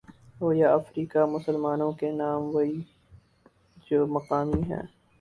ہو یا افریقہ مسلمانوں کے نام وہی ہیں جو مقامی ہیں۔